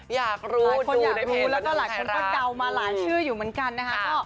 หลายคนอยากรู้หลายคนก็เดามาหลานชื่ออยู่เหมือนกันนะคะ